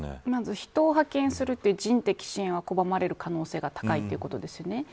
まず人を派遣するという人的支援は拒まれる可能性が高いということですね。